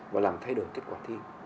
và làm thay đổi kết quả thi